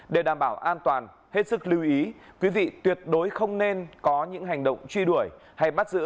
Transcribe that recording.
để đảm bảo an toàn hết sức lưu ý quý vị tuyệt đối không nên có những hành động truy đuổi hay bắt giữ